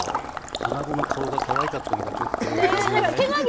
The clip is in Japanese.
あなごの顔がかわいかったのが、ちょっと。